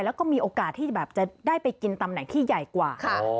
แล้วก็มีโอกาสที่แบบจะได้ไปกินตำแหน่งที่ใหญ่กว่า